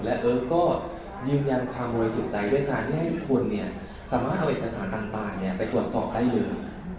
และเอิ๊กก็ยืนยันความบริสุทธิ์ใจด้วยการที่ให้ทุกคนสามารถเอาเอกสารต่างไปตรวจสอบได้เลย